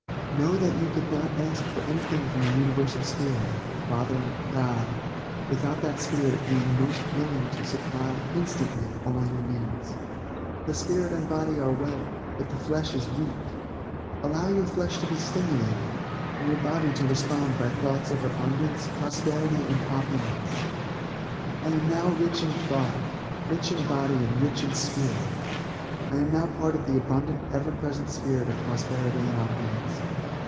Know that you could not ask for anything from the Universal Spirit Father, God without that Spirit being most willing to supply, instantly, all your needs. The spirit and body are well, but the flesh is weak. Allow your flesh to be stimulated, and your body to respond by thoughts of abundance, prosperity and opulence. "I am now rich in thought, rich in body and rich in spirit. I am now part of the abundant ever present spirit of prosperity and opulence.